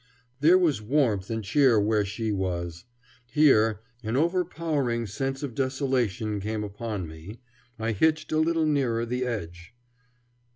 There was warmth and cheer where she was. Here An overpowering sense of desolation came upon me, I hitched a little nearer the edge.